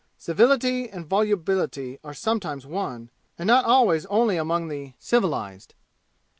Civility and volubility are sometimes one, and not always only among the civilized.